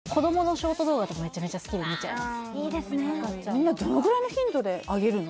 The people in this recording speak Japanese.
みんなどのぐらいの頻度で上げるの？